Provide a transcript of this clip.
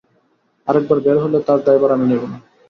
আরেকবার বের হলে তার দায়ভার আমি নেবো না।